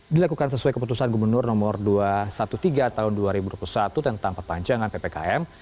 dilakukan sesuai keputusan gubernur nomor dua ratus tiga belas tahun dua ribu dua puluh satu tentang perpanjangan ppkm